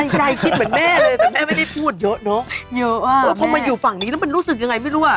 ใจคิดเหมือนแม่เลยแต่แม่ไม่ได้พูดเยอะเนอะเยอะพอมาอยู่ฝั่งนี้แล้วมันรู้สึกยังไงไม่รู้อ่ะ